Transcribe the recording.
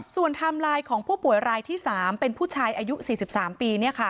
ส่วนไทม์ไลน์ของผู้ป่วยรายที่๓เป็นผู้ชายอายุ๔๓ปี